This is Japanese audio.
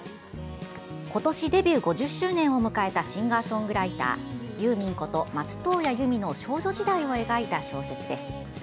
今年デビュー５０周年を迎えたシンガーソングライターユーミンこと松任谷由実の少女時代を描いた小説です。